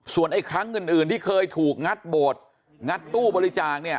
ส่วนไอ้ครั้งอื่นที่เคยถูกงัดโบสถ์งัดตู้บริจาคเนี่ย